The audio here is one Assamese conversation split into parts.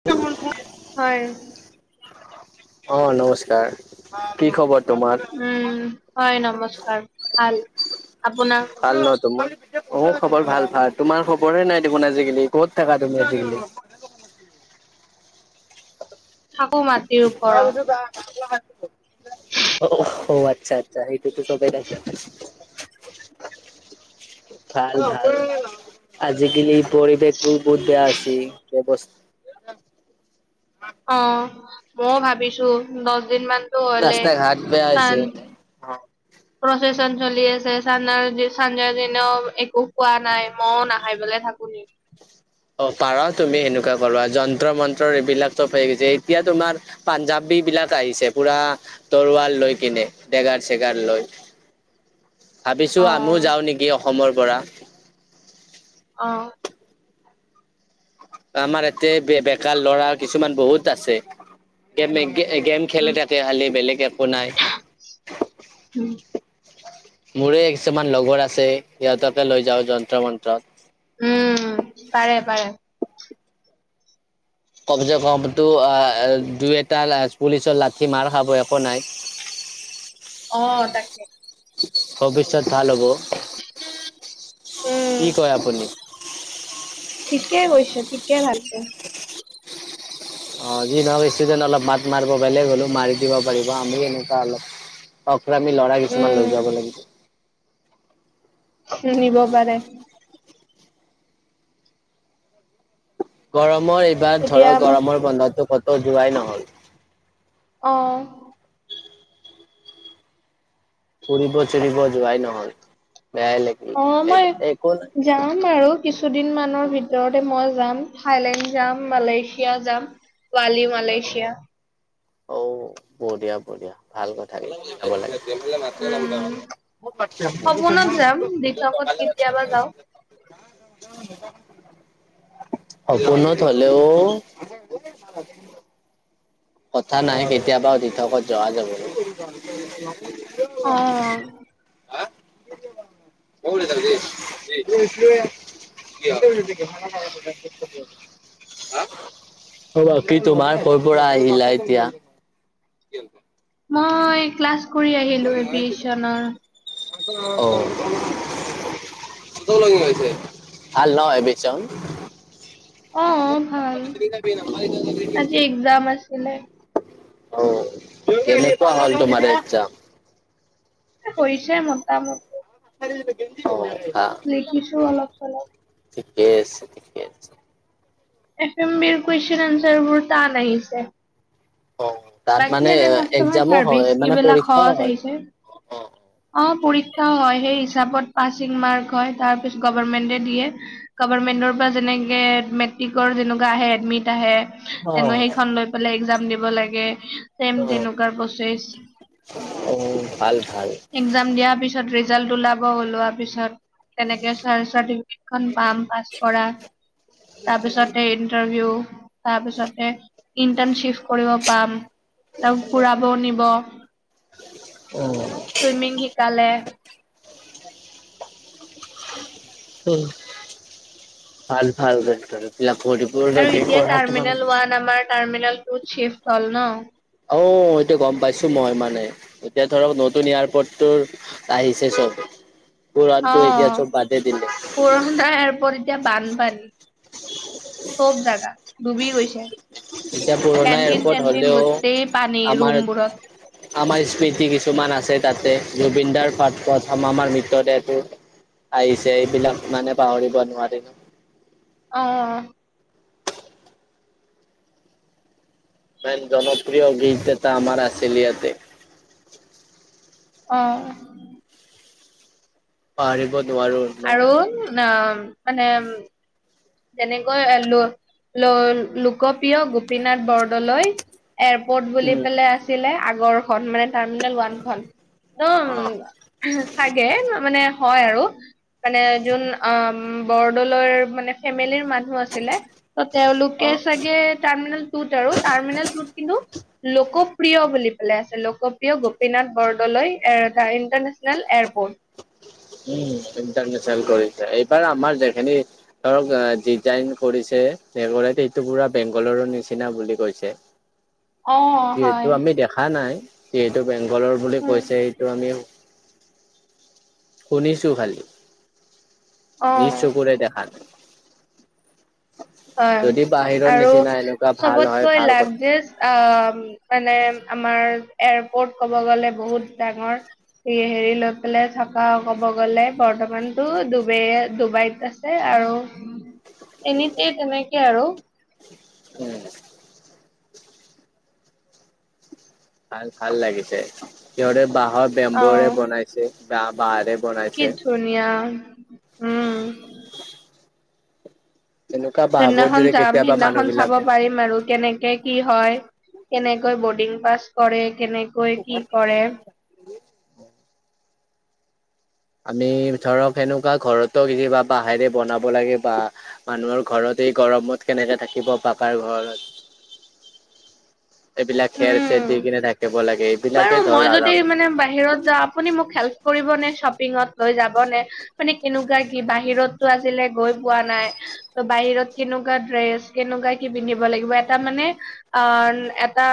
[unintelligible] হয়'। অ', নমস্কাৰ। কি খবৰ? তোমাৰ উম', হয় নমস্কাৰ ভাল, আপোনাৰ? ভাল ন তোমাৰ? মোৰ খবৰ ভাল ভাল, তোমাৰ খবৰয়ে নাই দেখোন আজিকালি ক'ত থাকা তুমি আজিকালি? থাকো মা তাৰ পিছত [unintelligible] অ' আচ্ছা। চা সেইটো পিছত [unintelligible] ভাল ভাল ভাল, আজিকালি পৰিৱেশবোৰ বহুত বেয়া হৈছি ব্যৱস অ, ময়ো ভাবিছো দছদিন মানতো হলে চান। অ। প্ৰচেচন চলি আছে চানা [unintelligible] দিনাও একো খোৱা নাই মইও নাখাই পেলাই থাকো নি। অ পাৰা তুমি সেনেকুৱা কৰিবা যন্তৰ - মন্তৰ এইবিলাক চব হৈ গৈছে এতিয়া তোমাৰ পাঞ্জাবীবিলাক আহিছে পুৰা তৰোৱাল লৈ কিনে, ডেগাৰ - চেগাৰ লৈ। [inaudible] ভাবিছো আমিও অ', যাওঁ নেকি অসমৰ পৰা? অ আমাৰ ইয়াতে বে বেকাৰ ল'ৰা কিছুমান বহুত আছে গেমে এ গেম উম, খেলি থাকে খালি বেলেগ একো নাই উম, মোৰে কিছুমান লগৰ আছে সিহঁতকে লৈ যাও যন্তৰ মন্তৰত উম পাৰে পাৰে কমচে কমটো আ আ দুই এটা পুলিচৰ লাঠি মাৰ খাব একো নাই অ তাকে ভৱিষ্যত ভাল হ'ব উম, কি কয় আপুনি ঠিকে কৈছ ঠিকে ভাবিছ অ যি নহওক ষ্টুডেণ্ট অলপ মাত মাৰিব বেলেগ হ'লেও মাৰি দিব পাৰিব আমি এনেকুৱা অলপ অকৰামি লৰা কিছুমান লৈ উম, যাব লাগিব নিব পাৰে গৰমৰ এইবাৰ এতিয়া ধৰক আমাক গৰমৰ বন্ধতটো কতো যোৱাই নহল অহ ফুৰিব চুৰিব যোৱাই নহল বেয়াই লাগ অ মই যাম বাৰু কিছুদিন মানৰ ভিতৰতে মই যাম থাইলেণ্ড যাম মালয়েছিয়া যাম বালিও অঔ বঢ়িয়া বঢ়িয়া ভাল কথা যাব লাগে উম সপোনত যাম দিঠকত কেতিয়াবা যাওঁ [inaudible] সপোনত হলেও [inaudible] [unintelligible] কথা নাই কেতিয়াবা দিঠকত যোৱা যাব অ [unintelligible] [inaudible] বাকি তোমাৰ ক'ৰ পৰা আহিলা এতিয়া [inaudible] মই ক্লাছ কৰি আহিলো এপ্ৰীচনৰ অ ভাল ন এপ্ৰিচন অ [inaudible] -জাম আছিলে অ কেনেকুৱা হ'ল তোমাৰ একজাম হৈছে মোটামুট [inaudible] হা লিখিছো অলপ চলপ ঠিকে আছে ঠিকে আছে এফ এম বিৰ কুৱেচন আনচাৰ বোৰ টান আহিছে অ তাত বাকী মানে এনে কাষ্টমাৰ একজামো চাৰ্ভিচ হয় মানে কিবিলাক পৰীক্ষাও সহজ হয় আহিছে অ পৰীক্ষাও হয় সেই হিচাপত পাচিং মাৰ্ক হয় তাৰ পিছ গভৰ্মেন্টে দিয়ে গভামেন্টৰ পৰা যেনেকে মেট্ৰিকৰ যেনেকুৱা আহে এডমিট আহে অ এনো সেইখন লৈ পেলাই একজাম দিব লাগে চেম তেনেকুৱাৰ প্ৰচেছ অ ভাল ভাল একজাম দিয়াৰ পিছত ৰিজাল্ট ওলাব ওলোৱাৰ পিছত তেনেকে চাৰ চাৰ্টিফিকেট খন পাম পাছ কৰা তাৰপিছতে ইন্টাৰভিউ তাৰ পিছতে ইণ্টাৰ্ণশ্বিপ কৰিব পাম ত ঘুৰাব নিব। উম। চুইমিং শিকালে। [inaudible] উম ভাল ভাল এইবিলাক কৰি। আৰু এতিয়া টাৰ্মিনেল ওৱান আমাৰ টাৰ্মিনেল টুত চিফট হ'ল ন। অ এইটো গম পাইছো মই মানে এতিয়া ধৰক নতুন এয়াৰপৰ্ট ত'। আহিছে চব পুৰণাটো এতিয়া চব বাদে দিলে। পুৰনা এাৰাপোট এতিয়া বানপানী চব জাগা ডুবি গৈছে। এতিয়া পুৰণা কেনটিন এয়াৰপৰ্ট চেনটিন হলেও গোটেই পানি আমাৰ ৰুমবোৰত। আমাৰ স্মৃতি কিছুমান আছে তাতে জুবিনদাৰ পাৰঠ পথ আমাৰ মৃতদেহটো। আহিছে এইবিলাক মানে পাহৰিব নোৱাৰি। অ অ। ইমান জনপ্ৰিয় গীত এটা আমাৰ আছিল ইয়াতে। অ। পাহৰিব নোৱাৰো। ন আৰু অ মানে। তেনেকৈ ল ল লোকপ্ৰিয় গোপীনাথ বৰদলৈ। এয়াৰপৰ্ট বুলি উম পেলাই আছিলে আগৰখন মানে। টাৰ্মিনেল ওৱান খ অ একদ চাগে মানে হয় আৰু। মানে যোন আ বৰদলৈৰ মানে। ফেমিলিৰ মানুহ আছিলে ত অ তেওঁলোকে চাগে তাৰ মানে। টুট আৰু টাৰ্মিনেল টুট কিন্তু। লোকপ্ৰিয় বুলি পেলাই আছে লোকপ্ৰিয় গোপীনাথ বৰদলৈ এটা ইণ্টাৰনেশ্যনেল এয়াৰপৰ্ট। উ ইণ্টাৰনেচনেল কৰিছে এইবাৰ আমাৰ যেখিনি। ধৰক ডিজাইন কৰিছে সেইটো পুৰা বেংগলৰৰ নিচিনা বুলি কৈছে। [inaudible] যিহেতু হয় আমি দেখা নাই যিহেতু বেংগলৰ বুলি উম কৈছে এইটো আমি। শুনিছো খালি নিজ চকুৰে অ দেখা। হয় যদি বাহিৰৰ আৰু নিচিনা এনেকুৱা ভাল হয় চবতকৈ ভাল লাগ কথা যে। অ মানে আমাৰ এয়াৰপৰ্ট কব গ'লে বহুত ডাঙৰ। হেৰি লৈ পেলাই থকা ক'ব গ'লে বৰ্তমানতো ডুবাই ডুবাইত আ। আৰু এনেতে তেনেকে আৰু। উম ভাল ভাল লাগিছে সিহঁৰে বাঁহৰ অ বেম্বৰে বনাইছে বাাঁ বাঁহাৰে। কি ধুনীয়া উম। এনেকুৱা বাহবোৰ সেইদিনাখন যদি যাম কেতিয়াবা মানুহ সেইদিনাখন চাব বিলাকে পাৰিম আৰু কেনেকে। কি হয় কেনেকৈ বৰ্ডিং পাছ কৰে কেনেকৈ কি কৰে। আমি ধৰক সেনেকুৱা ঘৰতো কেতিয়াবা বাঁহেৰে বনাব লাগে বা। মানুহৰ ঘৰত এই গৰমত কেনেকে থাকিব পাকাৰ ঘৰত। [inaudible] এইবিলাক খেৰ চেৰ দি উম কিনে থাকিব লাগে বাৰু এইবিলাকে মই ধৰ যদি আৰাম। মানে বাহিৰত যা। আপুনি মোক হেল্প কৰিবনে শ্বপিঙত লৈ যাবনে। মানে কেনেকুৱা কি বাহিৰতটো আজিলে গৈ পোৱা নাই। ত বাহিৰত কেনেকুৱা ড্ৰেছ কেনেকুৱা কি পিন্ধিব লাগিব এটা মানে অ। এটা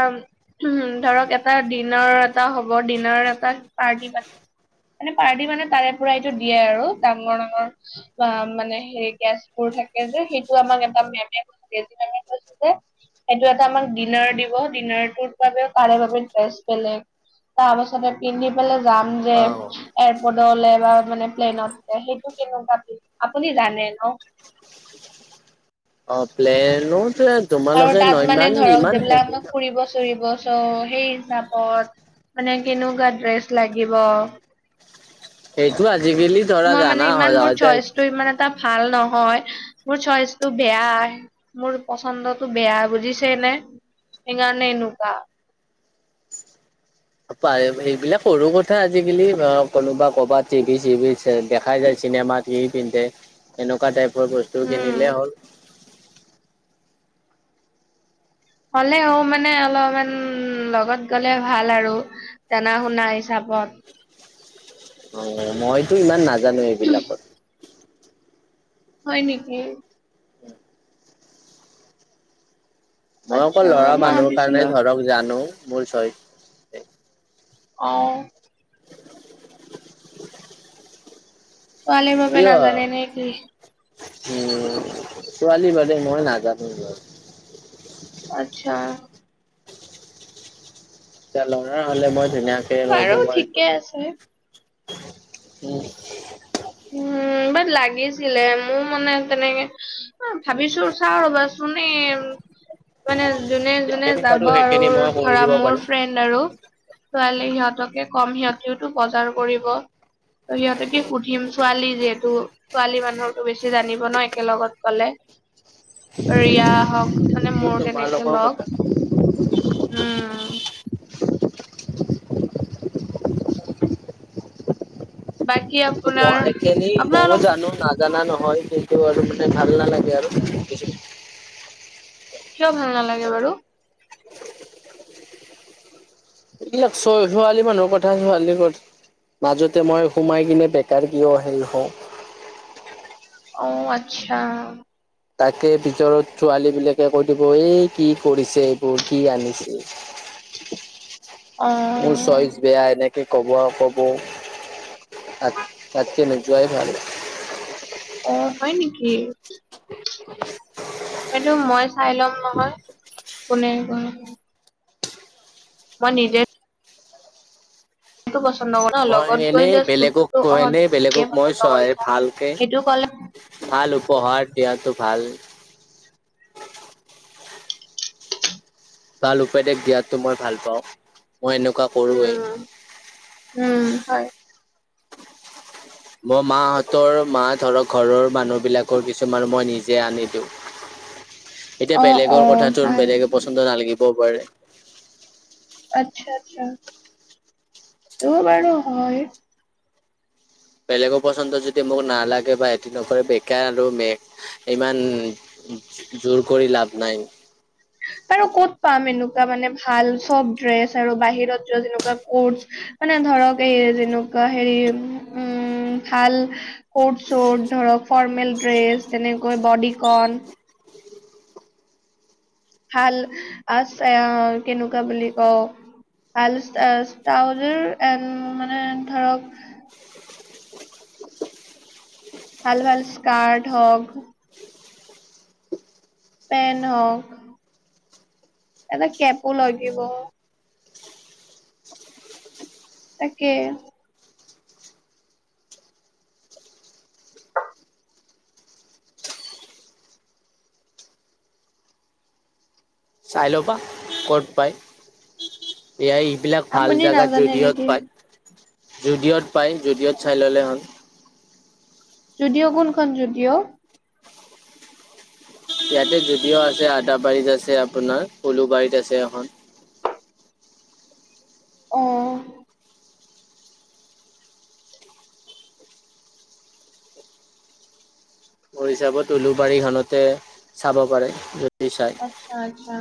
[unintelligible] ধৰক এটা ডিনাৰ এটা হ'ব ডিনাৰ এটা পাৰ্টি প মানে পাৰ্টি মানে তাৰে পৰা এইটো দিয়ে আৰু ডাঙৰ-ডাঙৰ বা মানে হেৰি গেছবোৰ থাকে যে সেইটো আমাৰ এটা মেমে এদিন আমি কৈছো যে সেইটো এটা আমাক ডিনাৰ দিব ডিনাৰতুত বাবে তাৰে বাবে দ্ৰেছ বেলেগ তাৰপাছতে পিন্ধি পেলাই যাম যে অ এয়াৰপৰ্টলে বা মানে প্লেনতে সেইটো কেনেকুৱা কি আপুনি জানে ন'? অ, প্লেন- প্লে আৰু তাত মানে ধৰক যিবিলাক [unintelligible] ফুৰিব চুৰিব চ' সেই হিচাপত মানে কেনেকুৱা ড্ৰেছ লাগিব সেইটো আজিকালি ধৰা জানা [unintelligible] এতিয়া টো ইমান এটা ভাল নহয় মোৰ চইচটো বেয়া। মোৰ পচন্দটো বেয়া বুজিছেইনে সেইকাৰণে এনেকুৱা। অ, পাৰে সেইবিলাক সৰু কথা আজিকালি অ, কোনোবা ক'বাত টিভি-চিভি তে দেখাই যায় চিনেমাত সি পিন্ধে এনেকুৱা টাইপৰ বস্তু উম। কিনিলে হ'ল। হ'লেও মানে অলপমান উম, লগত গলে ভাল আৰু জনা শুনা হিচাপত। অ, মইতো ইমান নাজানো এইবিলাকত। হয় নেকি? মই আচ্ছা, অকল ল'ৰা মই মানুহৰ ভাবিছিলো কাৰণে ধৰক জানো মোৰ চয়চ অ', ছোৱালী বাবে কিয় নাজানে নে কি? উম, ছোৱালী বাদে মই নাজানো দিয়ক। আচ্ছা। এতিয়া ল'ৰা হ'লে মই ধুনিয়াকে ল'ব বাৰু ঠিকে পাৰিলোঁ আছে। হয় উম, উম, বাট লাগিছিলে মোৰ মানে তেনেকে অ, ভাবিছো চাও ৰবাচুন এ মানে যোনে-যোনে যিখিনি পাৰো যাব আৰু সেইখিনি মই কৰি ধৰা দিব মোৰ পাৰিম। ফ্ৰেণ্ড আৰু ছোৱালী সিহঁতকে কম সিহঁতিও বজাৰ কৰিব ত' সিহঁতকে সুধিম [unintelligible] যিহেতু ছোৱালী মানুহৰতো বেছি জানিব ন' একেলগত গ'লে। ৰিয়া হ'ক মানে সেইটো মোৰ তেনেকে তোমালোকৰ লগ কথা। উম, বাকী আপ ত' মই সেইখিনি মইও জানো নাজানা নহয় কিন্তু আৰু মানে ভাল নালাগে আৰু। [unintelligible] কিয় ভাল নালাগে বাৰু? এইবিলাক ছ' ছোৱালী মানুহৰ কথা ছোৱালী কথা। মাজতে মই সোমাই কিনে বেকাৰ কিয় হেই হওঁ? অ, আচ্ছা। তাকে ভিতৰত ছোৱালী বিলাকে কৈ দিব এই কি কৰিছে এইবোৰ কি আনিছে? [unintelligible] মোৰ চইচ বেয়া এনেক কে ক'ব আৰ ক'ব তাত-তাতকে নোযোৱাই ভাল অ, হয় নেকি? [unintelligible] সেইটো মই চাই ল'ম নহয় কোনে কোনে মই নিজে সেইটো পছ ন্দ মই লগত গৈ এনেই যাষ্ট বেলেগক বস্তুটো অ' এনেই তুমি থিকে বেলেগক মই পচন্দ চয় কৰিছা ভালকে সেইটো ক'লে ভাল উপহাৰ দিয়াতো ভাল। ভাল উপদেশ দিয়াতো মই ভাল পাওঁ মই এনেকুৱা কৰোৱেই উম উম, হয়। মই মাহঁতৰ মা ধৰক ঘৰৰ মানুহবলাকৰ কিছুমান মই নিজে আনি দিওঁ। [inaudible] এতিয়া অ অ বেলেগৰ কথাটো ভাল বেলেগে পচন্দ নালাগিবও পাৰে। আচ্ছা আচ্ছা, এইটো বাৰু হয়। বেলেগৰ পচন্দ যদি মোক নালাগে বা এটো নকৰে বেকাৰ আৰু মে ইমান জোৰ কৰি লাভ নাই। আৰু ক'ত পাম এনেকুৱা মানে ভাল চব ড্ৰেছ আৰু বাহিৰত যোৱা যেনেকুৱা কট মানে ধৰক এই যেনেকুৱা হেৰি উম ভাল ক'ট চুট ধৰক ফৰ্মেল ড্ৰেছ তেনেকৈ বডিকন ভাল আ আহ কেনেকুৱা বুলি কওঁ ভাল আ ট্ৰাউজাৰ এণ্ড মানে ধৰক ভাল ভাল স্কাৰ্ট হওক পেণ্ট হওক এটা কেপো লৈ দিব তাকে চাই ল'বা ক'ত পাই। এইয়াৰ এইবিলাক ভাল আপুনি জাগাত নাজানে জুডিঅ'ত নেকি পায়। জুডিঅ'ত পায় জুডিঅ'ত চাই ল'লে হ'ল। জুডিঅ' কোনখন জুডিঅ'? ইয়াতে জুডিঅ' আছে আদাবাৰীত আছে, আপোনাৰ উলুবাৰীত আছে এখন। অহ মোৰ হিচাপত উলুবাৰী খনতে চাব পাৰে যদি চাই। আচ্ছা আচ্ছা।